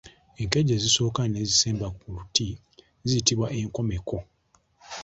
Enkejje ezisooka n’ezisemba ku luti ziyitbwa enkomeko.